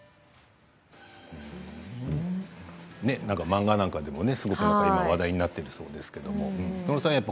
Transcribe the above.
漫画なんかでもすごく今話題になっているそうですけれども、野呂さん